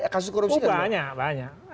kasus korupsi banyak banyak